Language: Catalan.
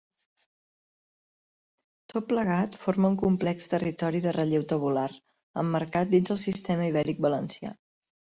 Tot plegat forma un complex territori de relleu tabular emmarcat dins el Sistema Ibèric valencià.